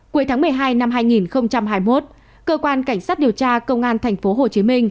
cuối tháng một mươi hai năm hai nghìn hai mươi một cơ quan cảnh sát điều tra công an tp hcm